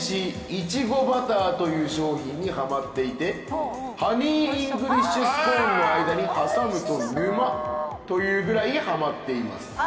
いちごバターという商品にハマっていてハニーイングリッシュスコーンの間に挟むと沼というぐらいハマっています。